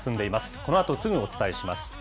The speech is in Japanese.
このあとすぐお伝えします。